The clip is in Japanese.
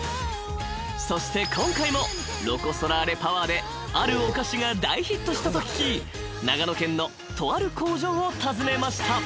［そして今回もロコ・ソラーレパワーであるお菓子が大ヒットしたと聞き長野県のとある工場を訪ねました］